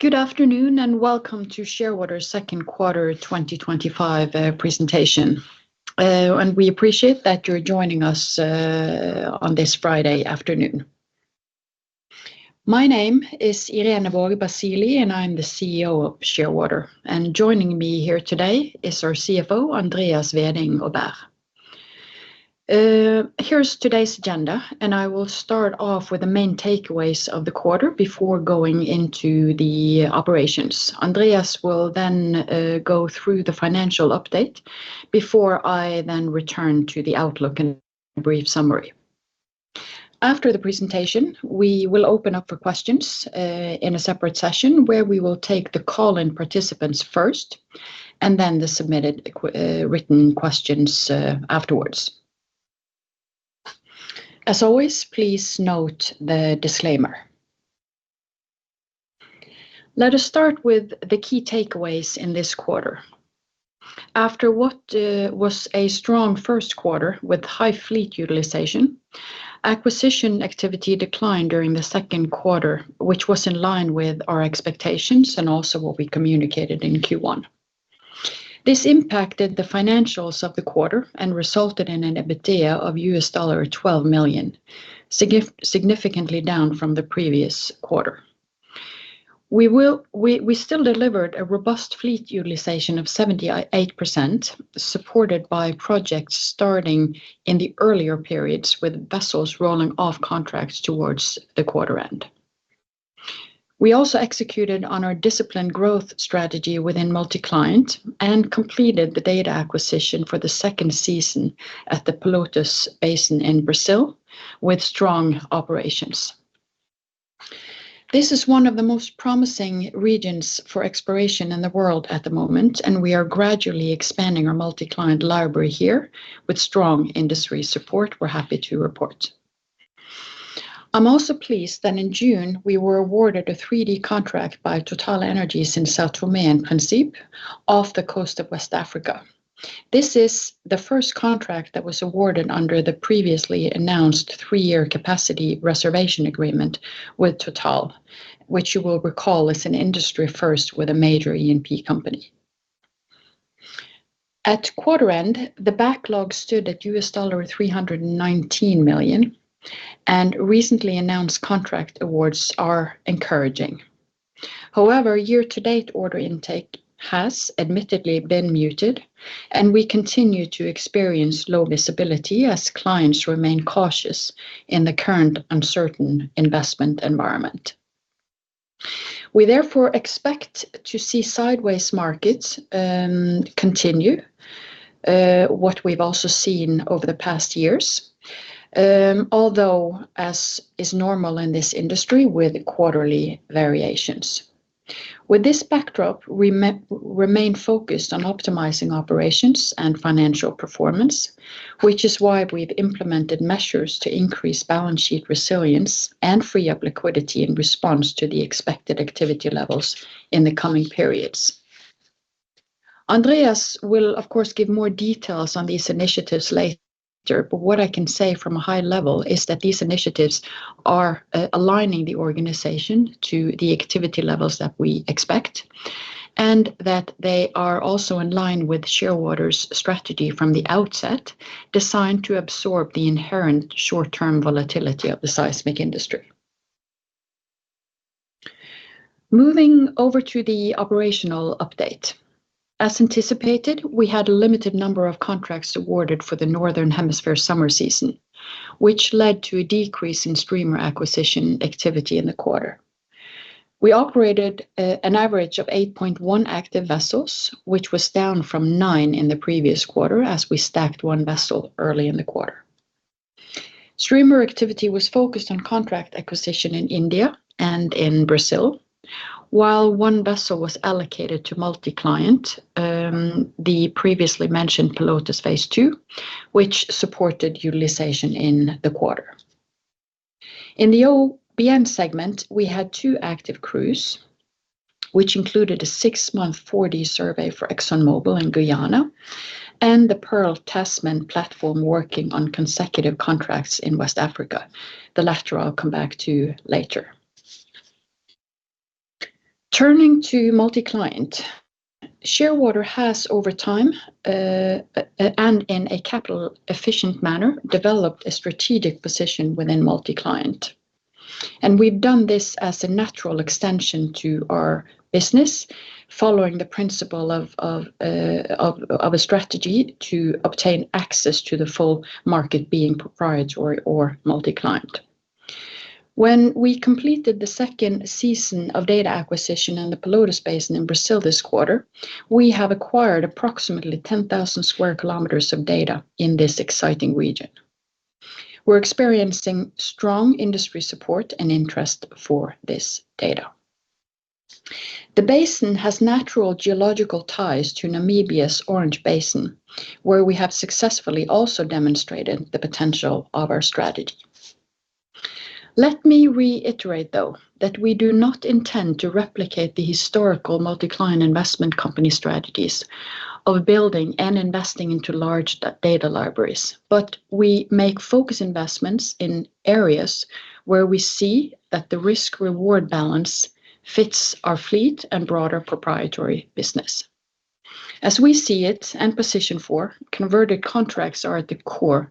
Good afternoon and welcome to Shearwater's Q2 2025 presentation, and we appreciate that you're joining us on this Friday afternoon. My name is Irene Waage Basili, and I'm the CEO of Shearwater, and joining me here today is our CFO, Andreas Hveding Aubert. Here's today's agenda, and I will start off with the main takeaways of the quarter before going into the operations. Andreas will then go through the financial update before I then return to the outlook and a brief summary. After the presentation, we will open up for questions in a separate session where we will take the call-in participants first and then the submitted written questions afterwards. As always, please note the disclaimer. Let us start with the key takeaways in this quarter. After what was a strong Q1 with high fleet utilization, acquisition activity declined during the Q1, which was in line with our expectations and also what we communicated in Q1. This impacted the financials of the quarter and resulted in an EBITDA of $12 million, significantly down from the previous quarter. We still delivered a robust fleet utilization of 78%, supported by projects starting in the earlier periods with vessels rolling off contracts towards the quarter end. We also executed on our disciplined growth strategy within multi-client and completed the data acquisition for the second season at the Pelotas Basin in Brazil with strong operations. This is one of the most promising regions for exploration in the world at the moment, and we are gradually expanding our multi-client library here with strong industry support, we're happy to report. I'm also pleased that in June we were awarded a 3D contract by TotalEnergies in São Tomé and Príncipe off the coast of West Africa. This is the first contract that was awarded under the previously announced three-year capacity reservation agreement with Total, which you will recall is an industry first with a major E&P company. At quarter end, the backlog stood at $319 million, and recently announced contract awards are encouraging. However, year-to-date order intake has admittedly been muted, and we continue to experience low visibility as clients remain cautious in the current uncertain investment environment. We therefore expect to see sideways markets continue what we've also seen over the past years, although as is normal in this industry with quarterly variations. With this backdrop, we remain focused on optimizing operations and financial performance, which is why we've implemented measures to increase balance sheet resilience and free up liquidity in response to the expected activity levels in the coming periods. Andreas will, of course, give more details on these initiatives later, but what I can say from a high level is that these initiatives are aligning the organization to the activity levels that we expect and that they are also in line with Shearwater's strategy from the outset designed to absorb the inherent short-term volatility of the seismic industry. Moving over to the operational update. As anticipated, we had a limited number of contracts awarded for the Northern Hemisphere summer season, which led to a decrease in streamer acquisition activity in the quarter. We operated an average of 8.1 active vessels, which was down from nine in the previous quarter as we stacked one vessel early in the quarter. Streamer activity was focused on contract acquisition in India and in Brazil, while one vessel was allocated to multi-client, the previously mentioned Pelotas Phase 2, which supported utilization in the quarter. In the OBN segment, we had two active crews, which included a six-month 4D survey for ExxonMobil in Guyana and the Pearl Tasman platform working on consecutive contracts in West Africa. The left row I'll come back to later. Turning to multi-client, Shearwater has over time and in a capital-efficient manner developed a strategic position within multi-client, and we've done this as a natural extension to our business following the principle of a strategy to obtain access to the full market being proprietary or multi-client. When we completed the second season of data acquisition in the Pelotas Basin in Brazil this quarter, we have acquired approximately 10,000 sq km of data in this exciting region. We're experiencing strong industry support and interest for this data. The basin has natural geological ties to Namibia's Orange Basin, where we have successfully also demonstrated the potential of our strategy. Let me reiterate, though, that we do not intend to replicate the historical multi-client investment company strategies of building and investing into large data libraries, but we make focus investments in areas where we see that the risk-reward balance fits our fleet and broader proprietary business. As we see it and position for, converted contracts are at the core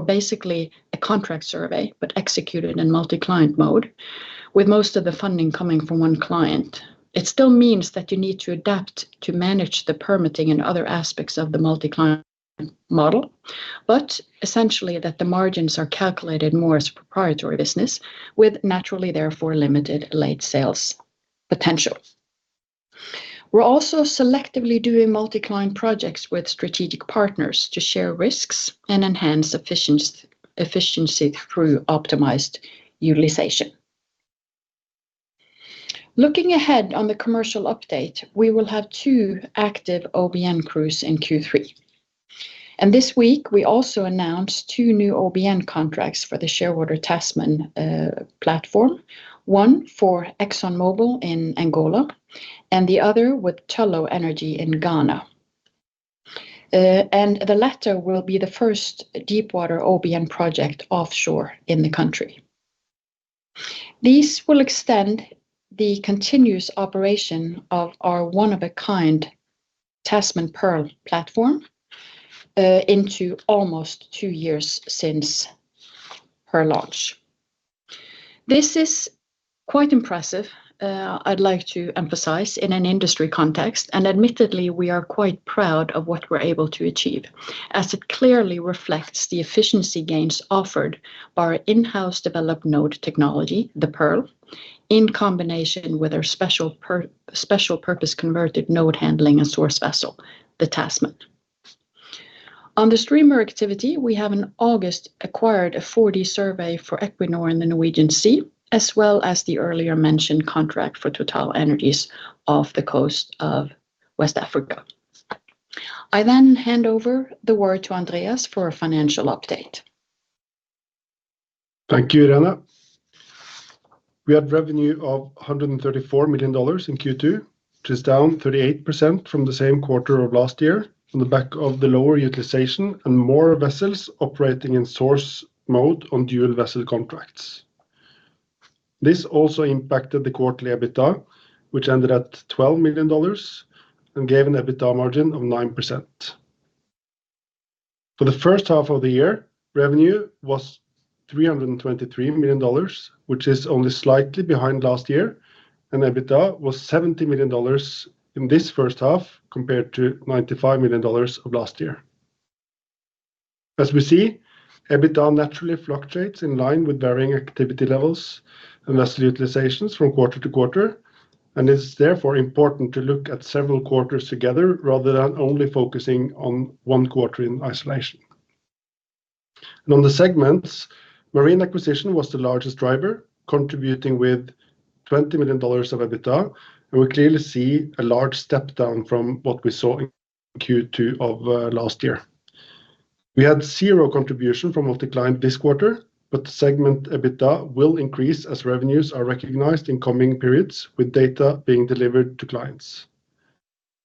basically a contract survey but executed in multi-client mode with most of the funding coming from one client. It still means that you need to adapt to manage the permitting and other aspects of the multi-client model, but essentially that the margins are calculated more as proprietary business with naturally therefore limited late sales potential. We're also selectively doing multi-client projects with strategic partners to share risks and enhance efficiency through optimized utilization. Looking ahead on the commercial update, we will have two active OBN crews in Q3, and this week, we also announced two new OBN contracts for the Shearwater Tasman platform, one for ExxonMobil in Angola and the other with Tullow Oil in Ghana, and the latter will be the first deepwater OBN project offshore in the country. These will extend the continuous operation of our one-of-a-kind Tasman Pearl platform into almost two years since her launch. This is quite impressive. I'd like to emphasize in an industry context, and admittedly, we are quite proud of what we're able to achieve as it clearly reflects the efficiency gains offered by our in-house developed node technology, the Pearl, in combination with our special purpose converted node handling and source vessel, the Tasman. On the streamer activity, we have in August acquired a 4D survey for Equinor in the Norwegian Sea as well as the earlier mentioned contract for TotalEnergies off the coast of West Africa. I then hand over the word to Andreas for a financial update. Thank you, Irene. We had revenue of $134 million in Q2, which is down 38% from the same quarter of last year on the back of the lower utilization and more vessels operating in source mode on dual-vessel contracts. This also impacted the quarterly EBITDA, which ended at $12 million and gave an EBITDA margin of 9%. For the first half of the year, revenue was $323 million, which is only slightly behind last year, and EBITDA was $70 million in this first half compared to $95 million of last year. As we see, EBITDA naturally fluctuates in line with varying activity levels and vessel utilizations from quarter to quarter, and it's therefore important to look at several quarters together rather than only focusing on one quarter in isolation. On the segments, marine acquisition was the largest driver contributing with $20 million of EBITDA, and we clearly see a large step down from what we saw in Q2 of last year. We had zero contribution from multi-client this quarter, but segment EBITDA will increase as revenues are recognized in coming periods with data being delivered to clients.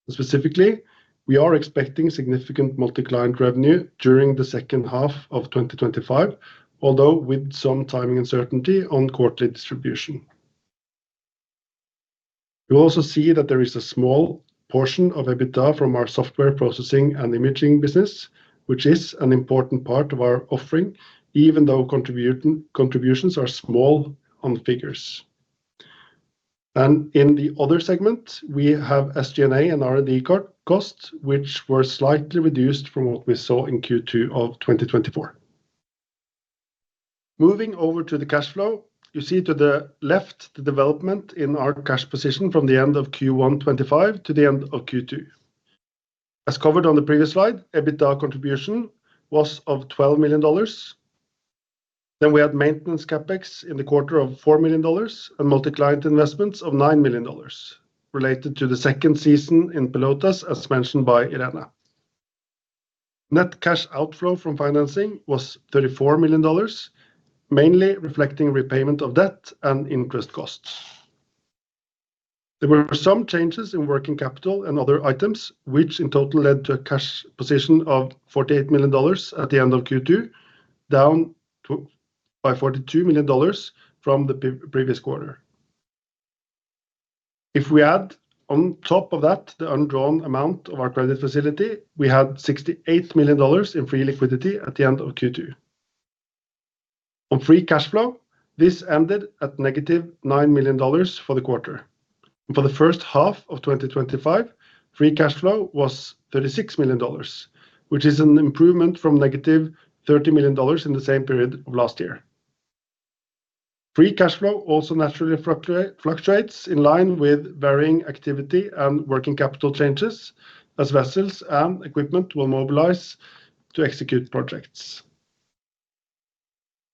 Specifically, we are expecting significant multi-client revenue during the second half of 2025, although with some timing uncertainty on quarterly distribution. We also see that there is a small portion of EBITDA from our software processing and imaging business, which is an important part of our offering, even though contributions are small on figures. In the other segment, we have SG&A and R&D costs, which were slightly reduced from what we saw in Q2 of 2024. Moving over to the cash flow, you see to the left the development in our cash position from the end of Q1 2025 to the end of Q2. As covered on the previous slide, EBITDA contribution was of $12 million. Then we had maintenance CapEx in the quarter of $4 million and multi-client investments of $9 million related to the second season in Pelotas, as mentioned by Irene. Net cash outflow from financing was $34 million, mainly reflecting repayment of debt and interest costs. There were some changes in working capital and other items, which in total led to a cash position of $48 million at the end of Q2, down by $42 million from the previous quarter. If we add on top of that the undrawn amount of our credit facility, we had $68 million in free liquidity at the end of Q2. On free cash flow, this ended at negative $9 million for the quarter. For the first half of 2025, free cash flow was $36 million, which is an improvement from negative $30 million in the same period of last year. Free cash flow also naturally fluctuates in line with varying activity and working capital changes as vessels and equipment will mobilize to execute projects.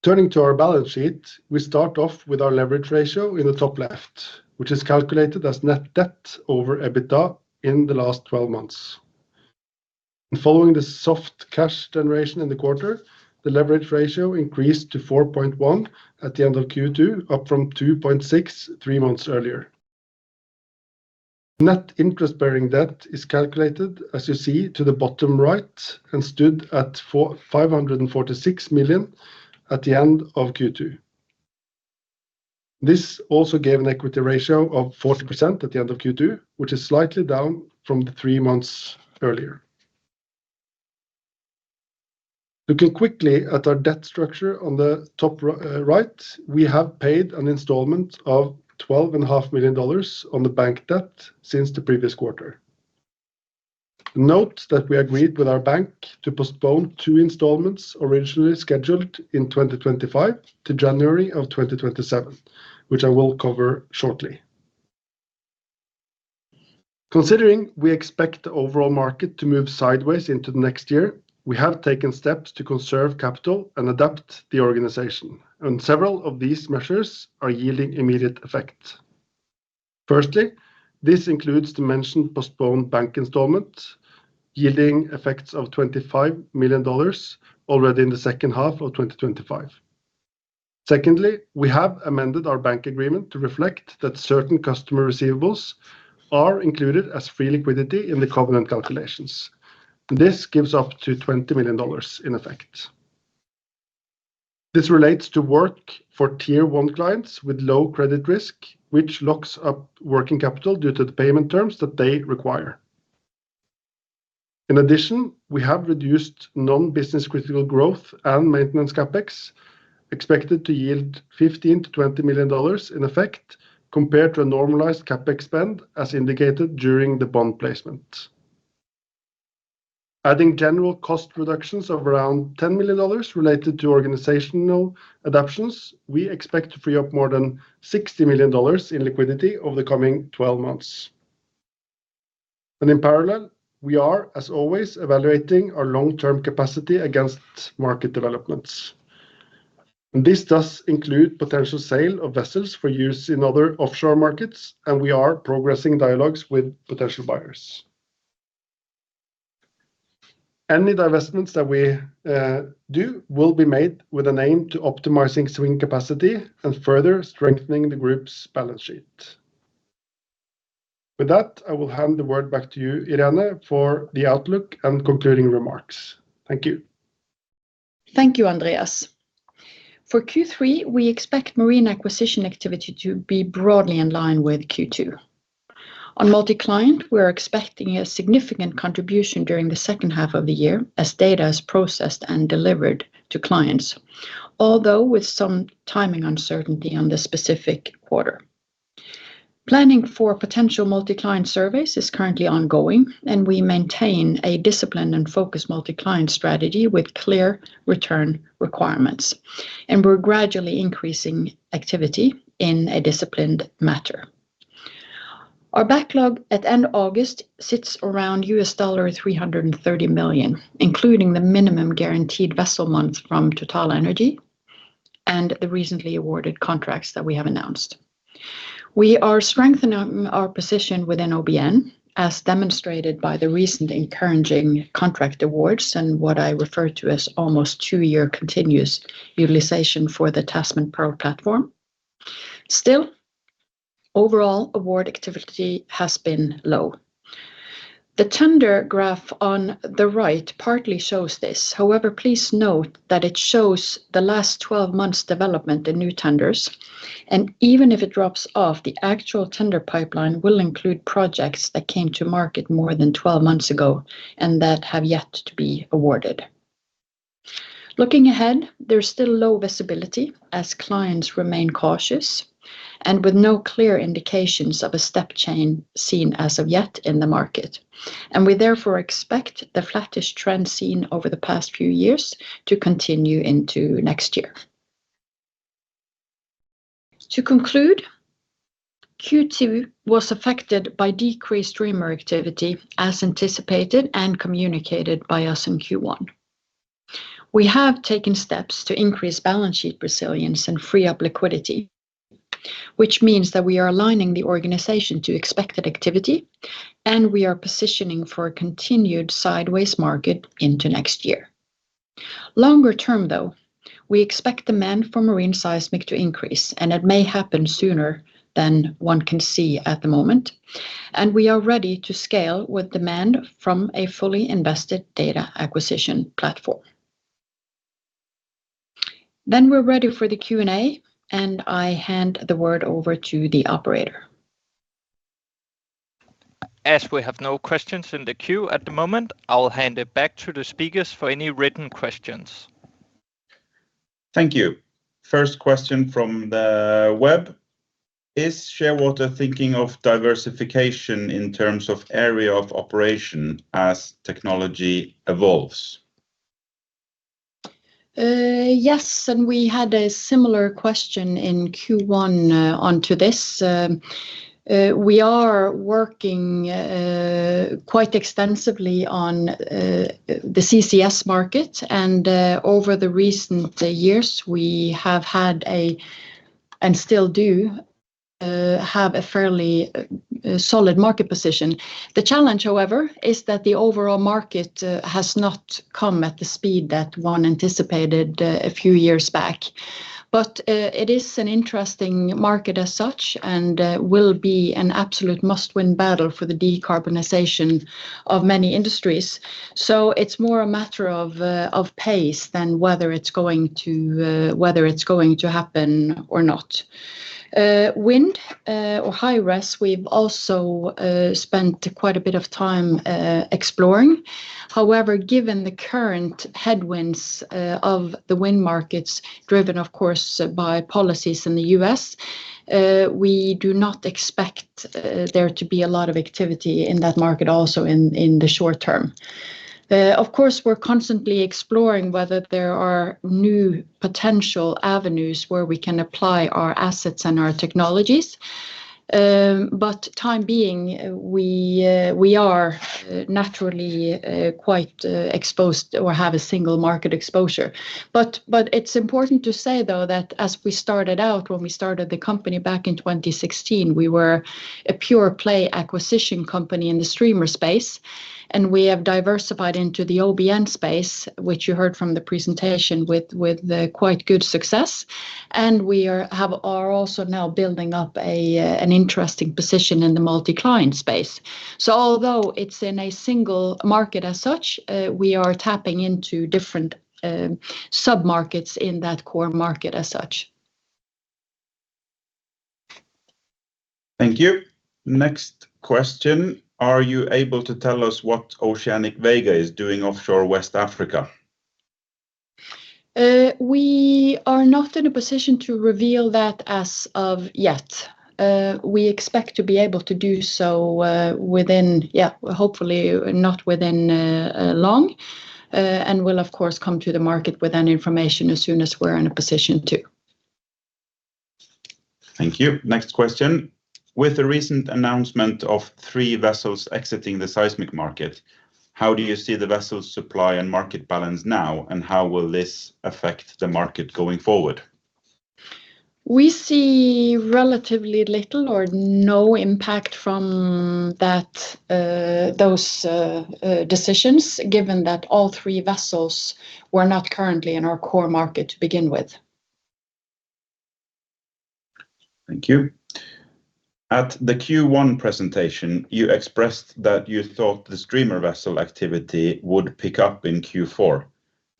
Turning to our balance sheet, we start off with our leverage ratio in the top left, which is calculated as net debt over EBITDA in the last 12 months. Following the soft cash generation in the quarter, the leverage ratio increased to 4.1 at the end of Q2, up from 2.6 three months earlier. Net interest-bearing debt is calculated, as you see, to the bottom right and stood at $546 million at the end of Q2. This also gave an equity ratio of 40% at the end of Q2, which is slightly down from the three months earlier. Looking quickly at our debt structure on the top right, we have paid an installment of $12.5 million on the bank debt since the previous quarter. Note that we agreed with our bank to postpone two installments originally scheduled in 2025 to January of 2027, which I will cover shortly. Considering we expect the overall market to move sideways into the next year, we have taken steps to conserve capital and adapt the organization, and several of these measures are yielding immediate effects. Firstly, this includes the mentioned postponed bank installment, yielding effects of $25 million already in the second half of 2025. Secondly, we have amended our bank agreement to reflect that certain customer receivables are included as free liquidity in the covenant calculations, and this gives up to $20 million in effect. This relates to work for tier one clients with low credit risk, which locks up working capital due to the payment terms that they require. In addition, we have reduced non-business critical growth and maintenance CapEx expected to yield $15 to 20 million in effect compared to a normalized CapEx spend as indicated during the bond placement. Adding general cost reductions of around $10 million related to organizational adaptations, we expect to free up more than $60 million in liquidity over the coming 12 months. And in parallel, we are, as always, evaluating our long-term capacity against market developments. And this does include potential sale of vessels for use in other offshore markets, and we are progressing dialogues with potential buyers. Any divestments that we do will be made with an aim to optimizing swing capacity and further strengthening the group's balance sheet. With that, I will hand the word back to you, Irene, for the outlook and concluding remarks. Thank you. Thank you, Andreas. For Q3, we expect marine acquisition activity to be broadly in line with Q2. On multi-client, we're expecting a significant contribution during the second half of the year as data is processed and delivered to clients, although with some timing uncertainty on the specific quarter. Planning for potential multi-client surveys is currently ongoing, and we maintain a disciplined and focused multi-client strategy with clear return requirements, and we're gradually increasing activity in a disciplined manner. Our backlog at end August sits around $330 million, including the minimum guaranteed vessel month from TotalEnergies and the recently awarded contracts that we have announced. We are strengthening our position within OBN, as demonstrated by the recent encouraging contract awards and what I refer to as almost two-year continuous utilization for the Tasman Pearl platform. Still, overall award activity has been low. The tender graph on the right partly shows this. However, please note that it shows the last 12 months' development in new tenders, and even if it drops off, the actual tender pipeline will include projects that came to market more than 12 months ago and that have yet to be awarded. Looking ahead, there's still low visibility as clients remain cautious and with no clear indications of a step change seen as of yet in the market, and we therefore expect the flattish trend seen over the past few years to continue into next year. To conclude, Q2 was affected by decreased streamer activity as anticipated and communicated by us in Q1. We have taken steps to increase balance sheet resilience and free up liquidity, which means that we are aligning the organization to expected activity, and we are positioning for a continued sideways market into next year. Longer term, though, we expect demand for marine seismic to increase, and it may happen sooner than one can see at the moment, and we are ready to scale with demand from a fully invested data acquisition platform. Then we're ready for the Q&A, and I hand the word over to the operator. As we have no questions in the queue at the moment, I'll hand it back to the speakers for any written questions. Thank you. First question from the web: Is Shearwater thinking of diversification in terms of area of operation as technology evolves? Yes, and we had a similar question in Q1 onto this. We are working quite extensively on the CCS market, and over the recent years, we have had a, and still do, have a fairly solid market position. The challenge, however, is that the overall market has not come at the speed that one anticipated a few years back, but it is an interesting market as such and will be an absolute must-win battle for the decarbonization of many industries. So it's more a matter of pace than whether it's going to, whether it's going to happen or not. Wind or high-res, we've also spent quite a bit of time exploring. However, given the current headwinds of the wind markets, driven of course by policies in the US, we do not expect there to be a lot of activity in that market also in the short term. Of course, we're constantly exploring whether there are new potential avenues where we can apply our assets and our technologies, but for the time being, we are naturally quite exposed or have a single market exposure. But it's important to say, though, that as we started out, when we started the company back in 2016, we were a pure-play acquisition company in the streamer space, and we have diversified into the OBN space, which you heard from the presentation, with quite good success, and we are also now building up an interesting position in the multi-client space. So although it's in a single market as such, we are tapping into different sub-markets in that core market as such. Thank you. Next question: Are you able to tell us what Oceanic Vega is doing offshore West Africa? We are not in a position to reveal that as of yet. We expect to be able to do so within, yeah, hopefully not within long, and we'll of course come to the market with that information as soon as we're in a position to. Thank you. Next question: With the recent announcement of three vessels exiting the seismic market, how do you see the vessel supply and market balance now, and how will this affect the market going forward? We see relatively little or no impact from those decisions, given that all three vessels were not currently in our core market to begin with. Thank you. At the Q1 presentation, you expressed that you thought the streamer vessel activity would pick up in Q4.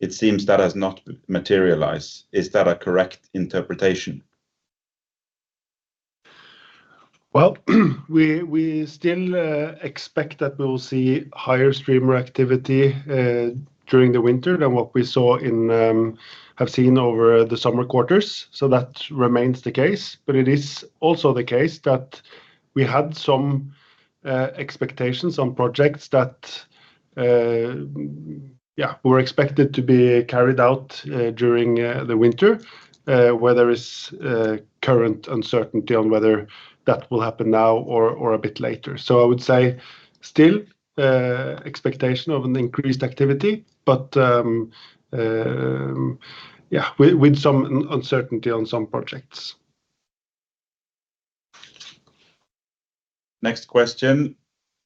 It seems that has not materialized. Is that a correct interpretation? We still expect that we will see higher streamer activity during the winter than what we saw, have seen over the summer quarters. That remains the case, but it is also the case that we had some expectations on projects that, yeah, were expected to be carried out during the winter, whether it's current uncertainty on whether that will happen now or a bit later. I would say still expectation of an increased activity, but yeah, with some uncertainty on some projects. Next question: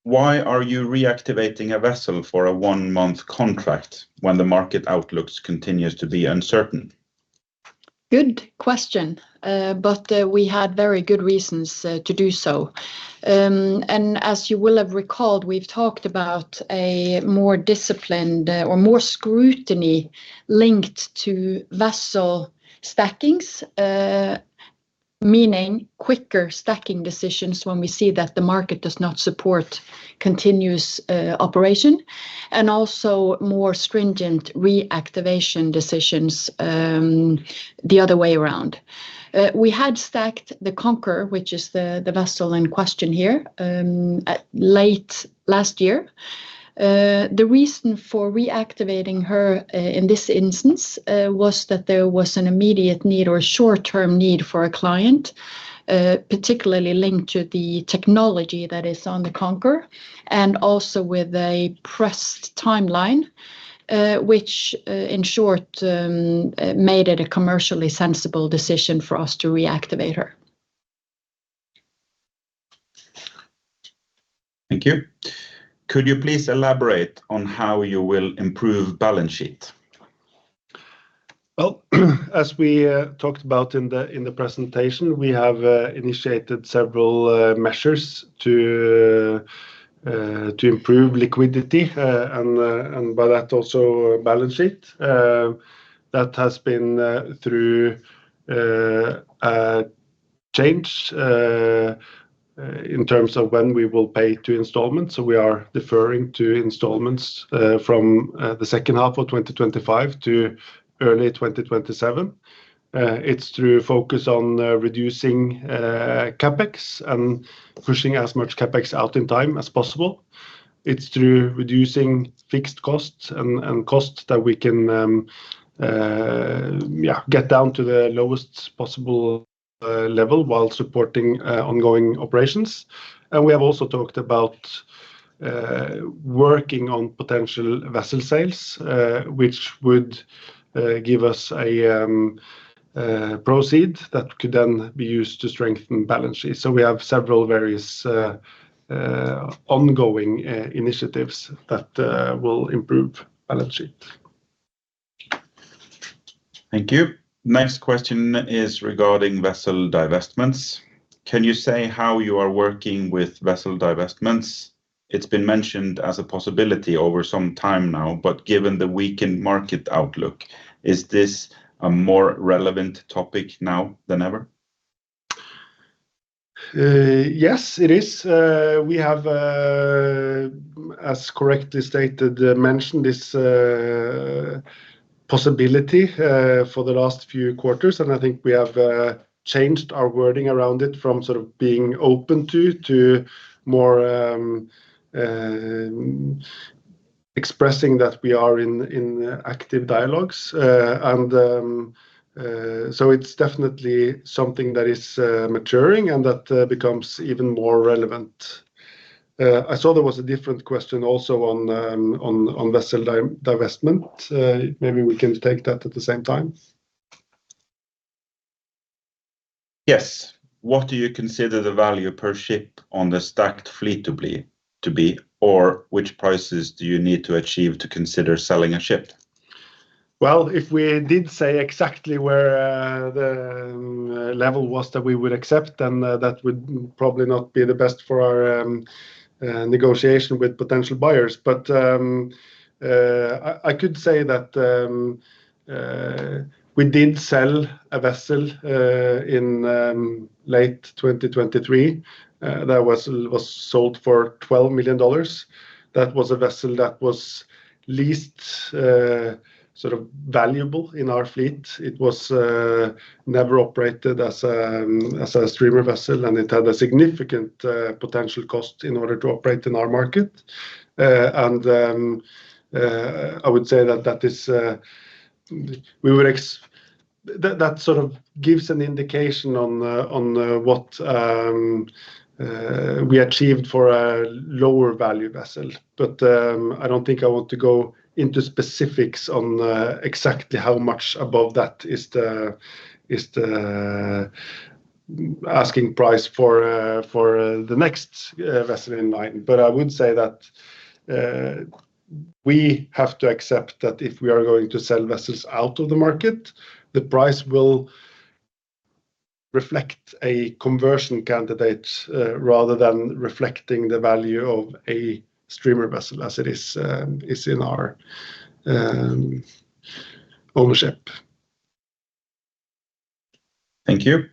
Why are you reactivating a vessel for a one-month contract when the market outlook continues to be uncertain? Good question, but we had very good reasons to do so, and as you will have recalled, we've talked about a more disciplined or more scrutiny linked to vessel stackings, meaning quicker stacking decisions when we see that the market does not support continuous operation, and also more stringent reactivation decisions the other way around. We had stacked the Conquer, which is the vessel in question here, late last year. The reason for reactivating her in this instance was that there was an immediate need or short-term need for a client, particularly linked to the technology that is on the Conquer and also with a pressed timeline, which in short made it a commercially sensible decision for us to reactivate her. Thank you. Could you please elaborate on how you will improve balance sheet? As we talked about in the presentation, we have initiated several measures to improve liquidity and by that also balance sheet. That has been through a change in terms of when we will pay two installments, so we are deferring two installments from the second half of 2025 to early 2027. It's through focus on reducing CapEx and pushing as much CapEx out in time as possible. It's through reducing fixed costs and costs that we can, yeah, get down to the lowest possible level while supporting ongoing operations. We have also talked about working on potential vessel sales, which would give us proceeds that could then be used to strengthen balance sheet. We have several various ongoing initiatives that will improve balance sheet. Thank you. Next question is regarding vessel divestments. Can you say how you are working with vessel divestments? It's been mentioned as a possibility over some time now, but given the weakened market outlook, is this a more relevant topic now than ever? Yes, it is. We have, as correctly stated, mentioned this possibility for the last few quarters, and I think we have changed our wording around it from sort of being open to more expressing that we are in active dialogues. And so it's definitely something that is maturing and that becomes even more relevant. I saw there was a different question also on vessel divestment. Maybe we can take that at the same time. Yes. What do you consider the value per ship on the stacked fleet to be, or which prices do you need to achieve to consider selling a ship? If we did say exactly where the level was that we would accept, then that would probably not be the best for our negotiation with potential buyers. But I could say that we did sell a vessel in late 2023 that was sold for $12 million. That was a vessel that was least sort of valuable in our fleet. It was never operated as a streamer vessel, and it had a significant potential cost in order to operate in our market. And I would say that sort of gives an indication on what we achieved for a lower value vessel. But I don't think I want to go into specifics on exactly how much above that is the asking price for the next vessel in line. I would say that we have to accept that if we are going to sell vessels out of the market, the price will reflect a conversion candidate rather than reflecting the value of a streamer vessel as it is in our ownership. Thank you.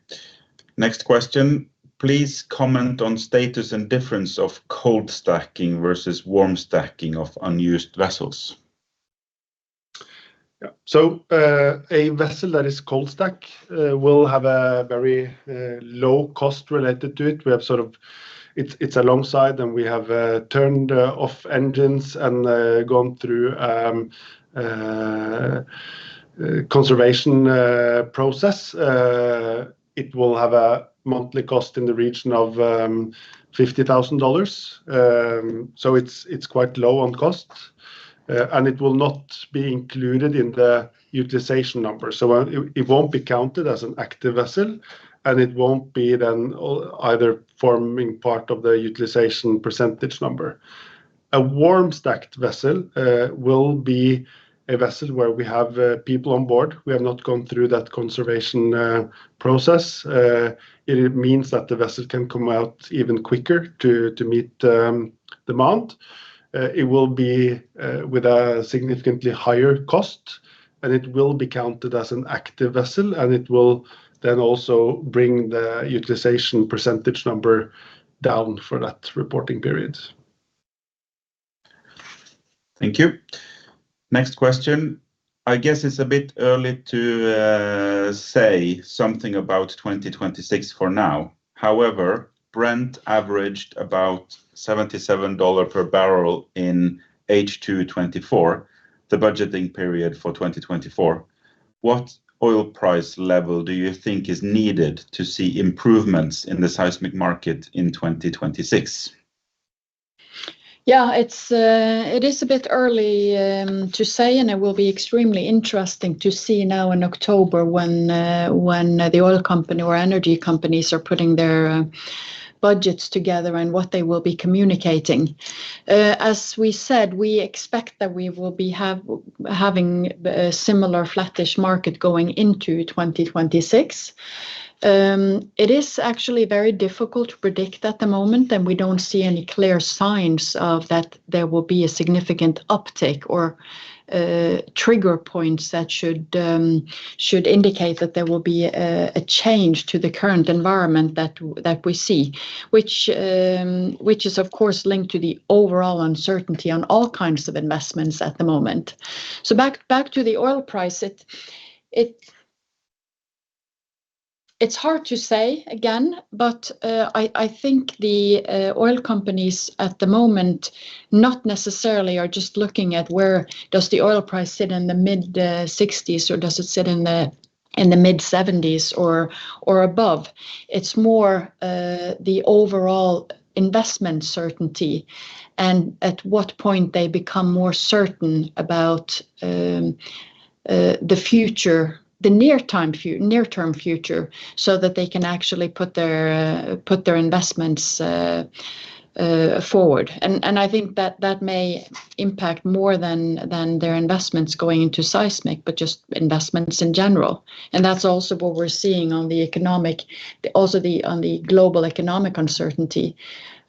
Next question: Please comment on status and difference of cold stacking versus warm stacking of unused vessels? Yeah. So a vessel that is cold stacked will have a very low cost related to it. We have sort of, it's alongside, and we have turned off engines and gone through conservation process. It will have a monthly cost in the region of $50,000. So it's quite low on cost, and it will not be included in the utilization number. So it won't be counted as an active vessel, and it won't be then either forming part of the utilization percentage number. A warm stacked vessel will be a vessel where we have people on board. We have not gone through that conservation process. It means that the vessel can come out even quicker to meet demand. It will be with a significantly higher cost, and it will be counted as an active vessel, and it will then also bring the utilization percentage number down for that reporting period. Thank you. Next question: I guess it's a bit early to say something about 2026 for now. However, Brent averaged about $77 per barrel in H2 2024, the budgeting period for 2024. What oil price level do you think is needed to see improvements in the seismic market in 2026? Yeah, it is a bit early to say, and it will be extremely interesting to see now in October when the oil company or energy companies are putting their budgets together and what they will be communicating. As we said, we expect that we will be having a similar flattish market going into 2026. It is actually very difficult to predict at the moment, and we don't see any clear signs of that there will be a significant uptick or trigger points that should indicate that there will be a change to the current environment that we see, which is of course linked to the overall uncertainty on all kinds of investments at the moment. Back to the oil price, it's hard to say again, but I think the oil companies at the moment not necessarily are just looking at where does the oil price sit in the mid-60s or does it sit in the mid-70s or above. It's more the overall investment certainty and at what point they become more certain about the future, the near-term future, so that they can actually put their investments forward. And I think that that may impact more than their investments going into seismic, but just investments in general. And that's also what we're seeing on the economic, also on the global economic uncertainty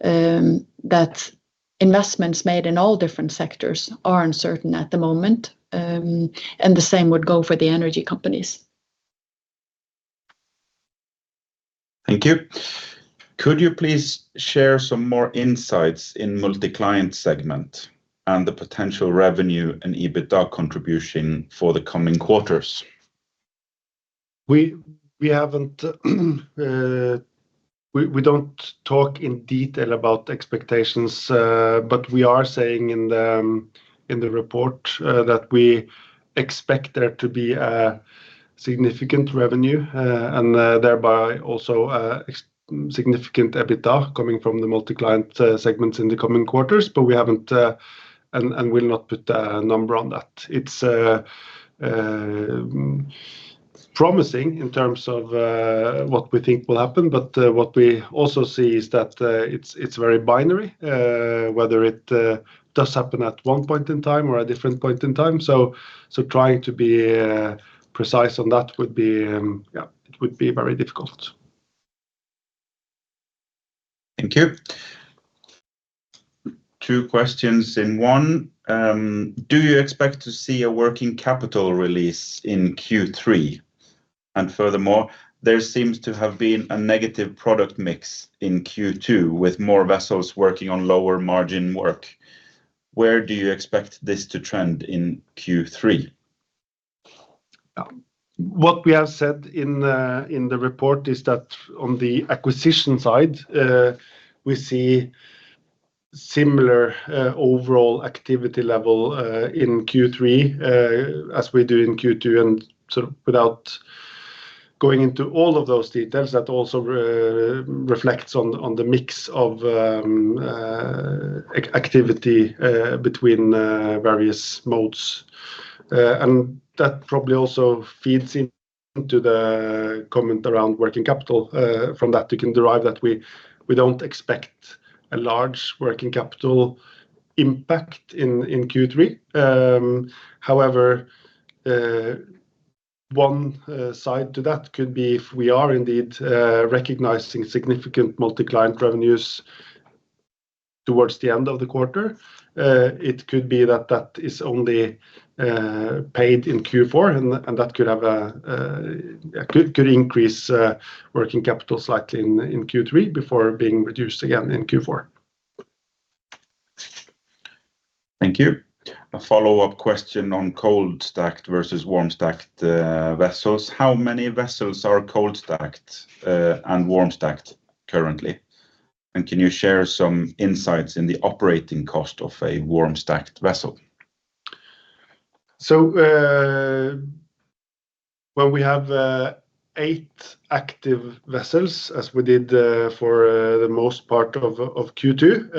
that investments made in all different sectors are uncertain at the moment, and the same would go for the energy companies. Thank you. Could you please share some more insights in multi-client segment and the potential revenue and EBITDA contribution for the coming quarters? We don't talk in detail about expectations, but we are saying in the report that we expect there to be a significant revenue and thereby also a significant EBITDA coming from the multi-client segments in the coming quarters, but we haven't and will not put a number on that. It's promising in terms of what we think will happen, but what we also see is that it's very binary, whether it does happen at one point in time or a different point in time, so trying to be precise on that would be, yeah, it would be very difficult. Thank you. Two questions in one. Do you expect to see a working capital release in Q3? And furthermore, there seems to have been a negative product mix in Q2 with more vessels working on lower margin work. Where do you expect this to trend in Q3? What we have said in the report is that on the acquisition side, we see similar overall activity level in Q3 as we do in Q2, and sort of without going into all of those details, that also reflects on the mix of activity between various modes, and that probably also feeds into the comment around working capital. From that, you can derive that we don't expect a large working capital impact in Q3. However, one side to that could be if we are indeed recognizing significant multi-client revenues towards the end of the quarter. It could be that that is only paid in Q4, and that could increase working capital slightly in Q3 before being reduced again in Q4. Thank you. A follow-up question on cold stacked versus warm stacked vessels. How many vessels are cold stacked and warm stacked currently? And can you share some insights in the operating cost of a warm stacked vessel? So when we have eight active vessels as we did for the most part of Q2,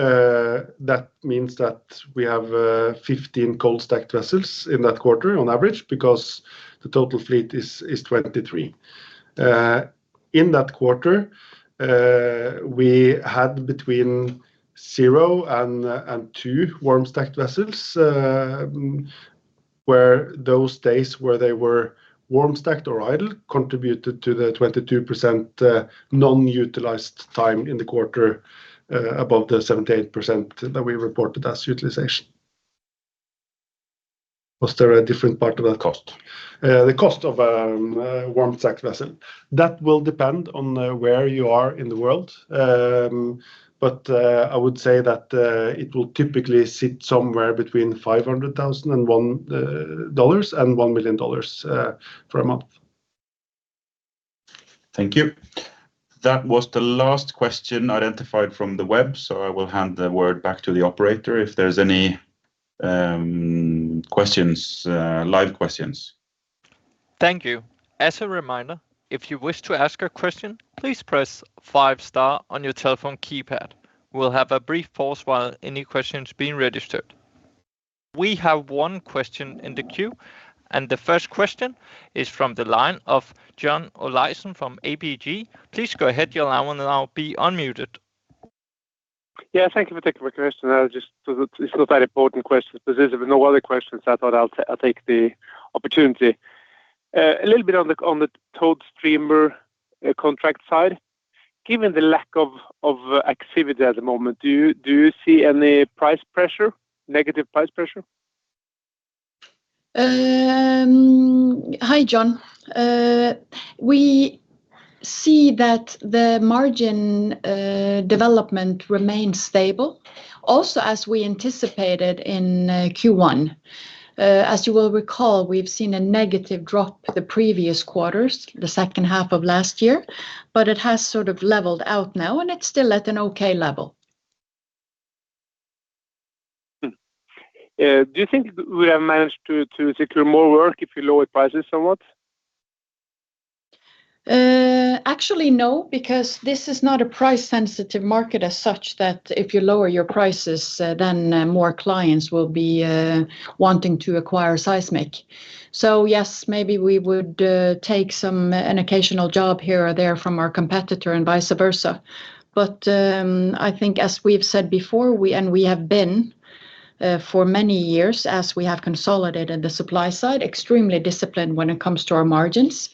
that means that we have 15 cold stacked vessels in that quarter on average because the total fleet is 23. In that quarter, we had between zero and two warm stacked vessels where those days where they were warm stacked or idle contributed to the 22% non-utilized time in the quarter above the 78% that we reported as utilization. Was there a different part of that? Cost. The cost of a warm stacked vessel. That will depend on where you are in the world, but I would say that it will typically sit somewhere between $500,000 and 1 million for a month. Thank you. That was the last question identified from the web, so I will hand the word back to the operator if there's any questions, live questions. Thank you. As a reminder, if you wish to ask a question, please press five star on your telephone keypad. We'll have a brief pause while any questions being registered. We have one question in the queue, and the first question is from the line of John Olaisen from ABG. Please go ahead, your line will now be unmuted. Yeah, thank you for taking my question. It's not an important question, but there's no other questions, so I thought I'll take the opportunity. A little bit on the towed streamer contract side, given the lack of activity at the moment, do you see any price pressure, negative price pressure? Hi, John. We see that the margin development remains stable, also as we anticipated in Q1. As you will recall, we've seen a negative drop the previous quarters, the second half of last year, but it has sort of leveled out now, and it's still at an okay level. Do you think we have managed to secure more work if we lower prices somewhat? Actually, no, because this is not a price-sensitive market as such that if you lower your prices, then more clients will be wanting to acquire seismic. So yes, maybe we would take an occasional job here or there from our competitor and vice versa. But I think, as we've said before, and we have been for many years as we have consolidated the supply side, extremely disciplined when it comes to our margins.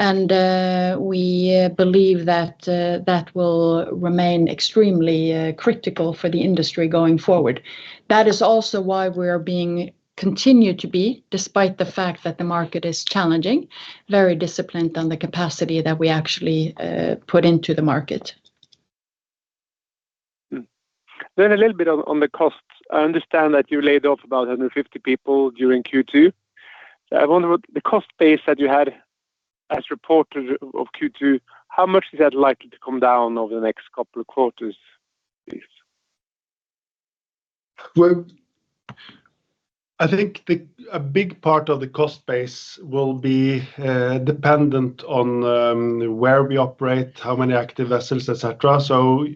We believe that that will remain extremely critical for the industry going forward. That is also why we are being continued to be, despite the fact that the market is challenging, very disciplined on the capacity that we actually put into the market. Then a little bit on the costs. I understand that you laid off about 150 people during Q2. I wonder what the cost base that you had as reported of Q2, how much is that likely to come down over the next couple of quarters, please? I think a big part of the cost base will be dependent on where we operate, how many active vessels, etc. So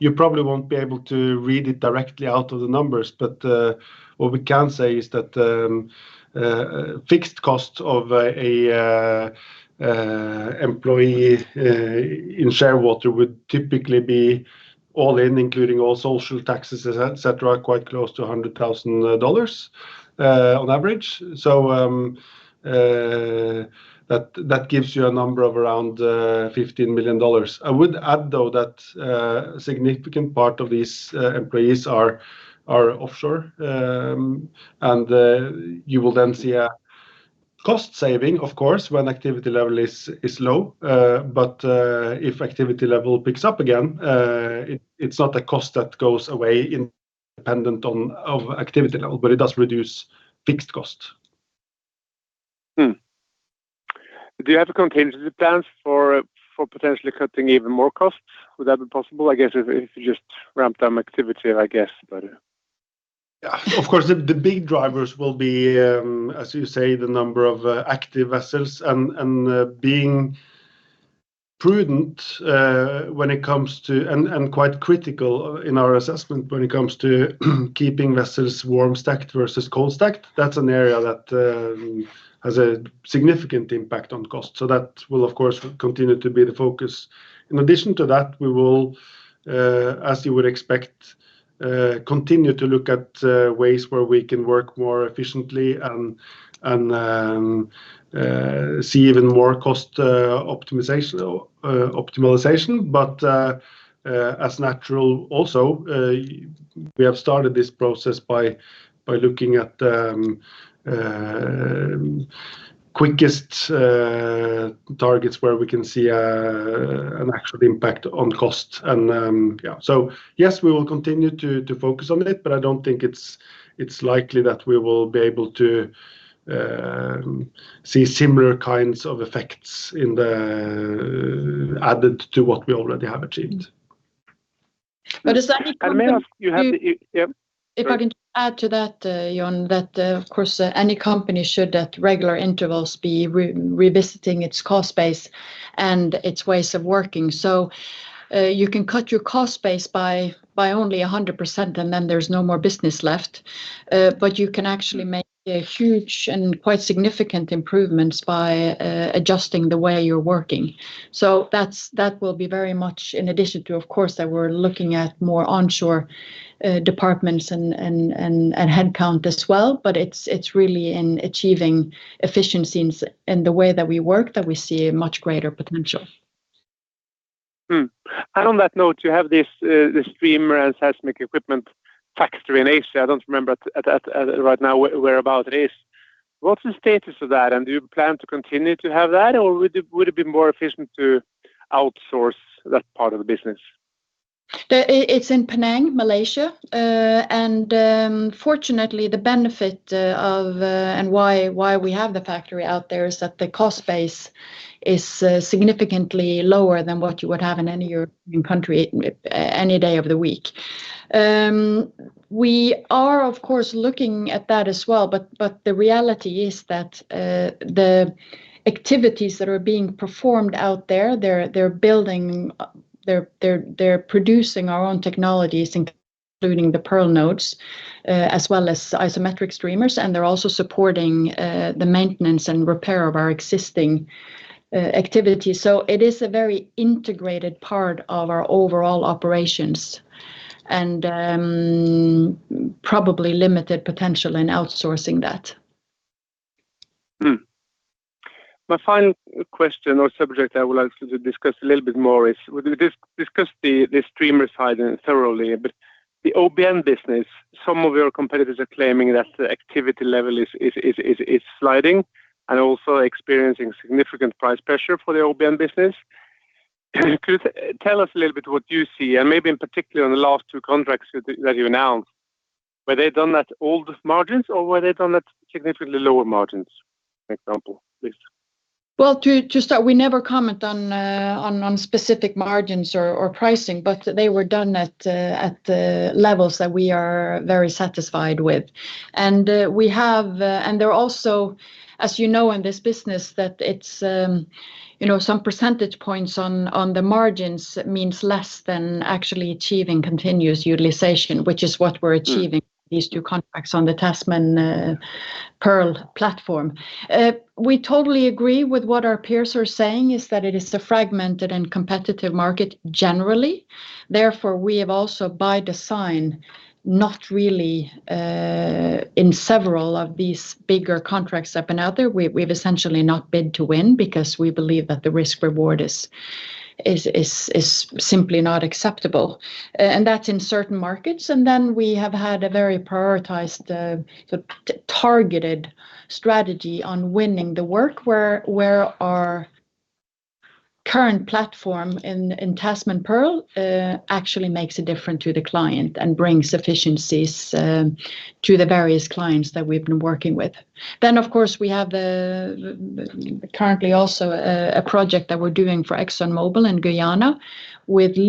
you probably won't be able to read it directly out of the numbers, but what we can say is that fixed costs of an employee in Shearwater would typically be all in, including all social taxes, etc., quite close to $100,000 on average. So that gives you a number of around $15 million. I would add, though, that a significant part of these employees are offshore, and you will then see a cost saving, of course, when activity level is low. But if activity level picks up again, it's not a cost that goes away independent of activity level, but it does reduce fixed costs. Do you have contingency plans for potentially cutting even more costs? Would that be possible? I guess if you just ramped up activity, I guess, but. Yeah, of course, the big drivers will be, as you say, the number of active vessels and being prudent when it comes to, and quite critical in our assessment when it comes to keeping vessels warm stacked versus cold stacked. That's an area that has a significant impact on cost. So that will, of course, continue to be the focus. In addition to that, we will, as you would expect, continue to look at ways where we can work more efficiently and see even more cost optimization, but as natural also, we have started this process by looking at quickest targets where we can see an actual impact on cost, and yeah, so yes, we will continue to focus on it, but I don't think it's likely that we will be able to see similar kinds of effects added to what we already have achieved. But is that? And may I ask you have the. If I can add to that, John, that of course, any company should at regular intervals be revisiting its cost base and its ways of working. So you can cut your cost base by only 100%, and then there's no more business left. But you can actually make huge and quite significant improvements by adjusting the way you're working. So that will be very much in addition to, of course, that we're looking at more onshore departments and headcount as well, but it's really in achieving efficiencies in the way that we work that we see a much greater potential. On that note, you have this streamer and seismic equipment factory in Asia. I don't remember right now whereabouts it is. What's the status of that? Do you plan to continue to have that, or would it be more efficient to outsource that part of the business? It's in Penang, Malaysia, and fortunately, the benefit and why we have the factory out there is that the cost base is significantly lower than what you would have in any European country any day of the week. We are, of course, looking at that as well, but the reality is that the activities that are being performed out there, they're building, they're producing our own technologies, including the Pearl nodes as well as IsoMetrix streamers, and they're also supporting the maintenance and repair of our existing activity, so it is a very integrated part of our overall operations and probably limited potential in outsourcing that. My final question or subject I would like to discuss a little bit more is we discussed the streamer side thoroughly, but the OBN business, some of your competitors are claiming that the activity level is sliding and also experiencing significant price pressure for the OBN business. Could you tell us a little bit what you see, and maybe in particular on the last two contracts that you announced, were they done at old margins or were they done at significantly lower margins, for example? To start, we never comment on specific margins or pricing, but they were done at levels that we are very satisfied with. And there are also, as you know, in this business that some percentage points on the margins means less than actually achieving continuous utilization, which is what we're achieving in these two contracts on the Tasman Pearl platform. We totally agree with what our peers are saying is that it is a fragmented and competitive market generally. Therefore, we have also by design not really in several of these bigger contracts that have been out there, we've essentially not bid to win because we believe that the risk-reward is simply not acceptable. And that's in certain markets. And then we have had a very prioritized, targeted strategy on winning the work where our current platform in Tasman Pearl actually makes a difference to the client and brings efficiencies to the various clients that we've been working with. Then, of course, we have currently also a project that we're doing for ExxonMobil in Guyana with a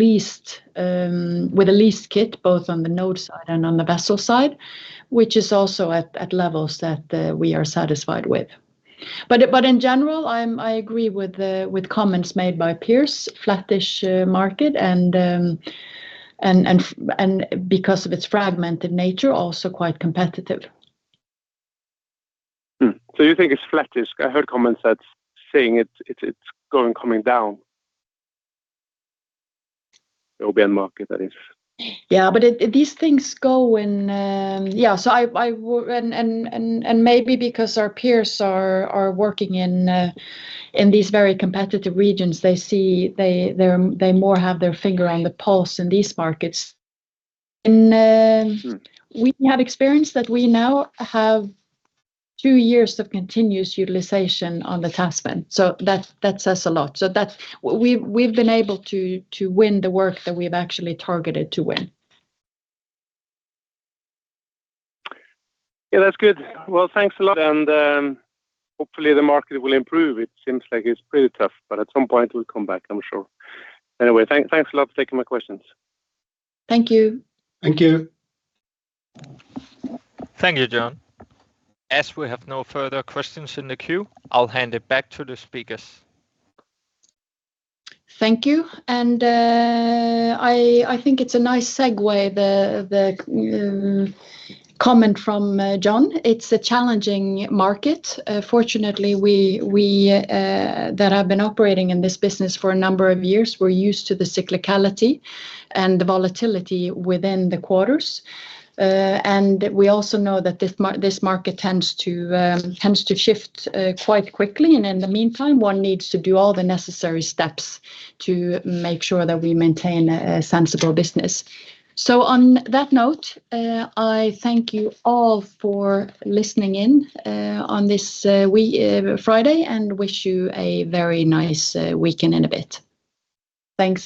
leased kit both on the node side and on the vessel side, which is also at levels that we are satisfied with. But in general, I agree with comments made by peers, flattish market, and because of its fragmented nature, also quite competitive. So you think it's flattish? I heard comments that saying it's going down. The OBN market, that is. Yeah, but these things go in, yeah, so I and maybe because our peers are working in these very competitive regions, they more have their finger on the pulse in these markets. We have experienced that we now have two years of continuous utilization on the Tasman. So that says a lot. So we've been able to win the work that we've actually targeted to win. Yeah, that's good. Well, thanks. And hopefully the market will improve. It seems like it's pretty tough, but at some point we'll come back, I'm sure. Anyway, thanks a lot for taking my questions. Thank you. Thank you. Thank you, John. As we have no further questions in the queue, I'll hand it back to the speakers. Thank you. And I think it's a nice segue, the comment from John. It's a challenging market. Fortunately, we that have been operating in this business for a number of years, we're used to the cyclicality and the volatility within the quarters. And we also know that this market tends to shift quite quickly. And in the meantime, one needs to do all the necessary steps to make sure that we maintain a sensible business. So on that note, I thank you all for listening in on this Friday and wish you a very nice weekend in a bit. Thanks.